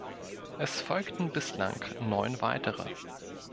Es folgten bislang neun weitere.